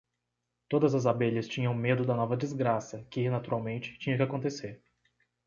Todas as abelhas tinham medo da nova desgraça que, naturalmente, tinha que acontecer.